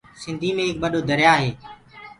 سنڌي مي ايڪ ٻڏو دريآ هي۔